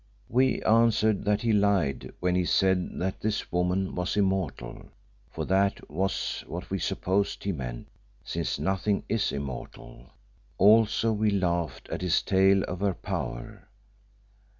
"We answered that he lied when he said that this woman was immortal for that was what we supposed he meant since nothing is immortal; also we laughed at his tale of her power.